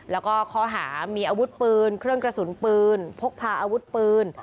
แล้วก็ข้อหามีอาวุธปืนเครื่องกระสุนปืนพกพาอาวุธปืน